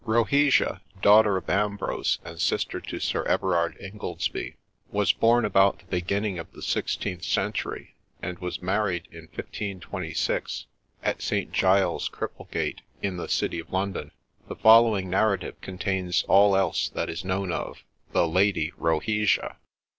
Rohesia, daughter of Ambrose, and sister to Sir Everard Ingoldsby, was born about the beginning of the 16th century, and was married in 1526, at St. Giles's, Cripplegate, in the City of London. The following narrative contains all else that is known of THE LADY ROHESIA.